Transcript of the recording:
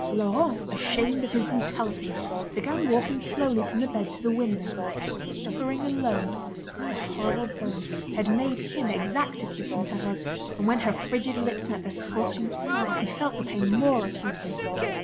Laurent, ashamed of his brutality, began walking slowly from the bed to the window. Suffering alone the horrible burn had made him exact a kiss from Thérèse, and when her frigid lips met the scorching scar, he felt the pain more acutely.